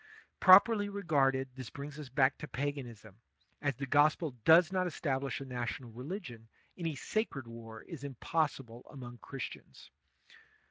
Properly regarded, this brings us back to paganism ; as the Grospel does not establish a national religion, any sacred war is impossible among Christians.